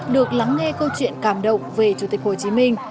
được lắng nghe câu chuyện cảm động về chủ tịch hồ chí minh